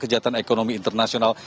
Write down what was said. kejahatan ekonomi internasional